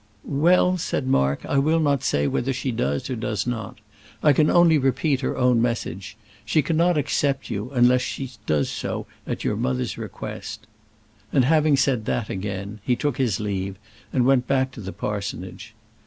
"Well," said Mark, "I will not say whether she does or does not. I can only repeat her own message. She cannot accept you, unless she does so at your mother's request." And having said that again, he took his leave, and went back to the parsonage.